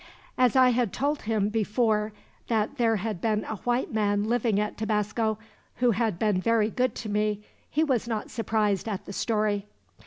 As I had told him, before, that there had been a white man living at Tabasco, who had been very good to me, he was not surprised at the story."